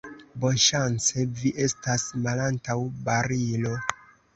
Bonŝance, vi estas malantaŭ barilo.